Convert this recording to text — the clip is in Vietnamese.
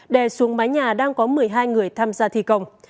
đè xuống mái nhà đang có một mươi hai người tham gia thi công